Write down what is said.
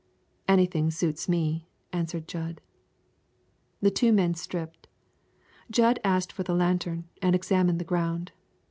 "Anything suits me," answered Jud. The two men stripped. Jud asked for the lantern and examined the ground.